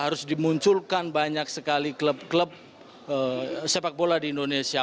harus dimunculkan banyak sekali klub klub sepak bola di indonesia